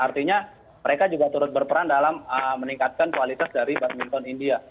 artinya mereka juga turut berperan dalam meningkatkan kualitas dari badminton india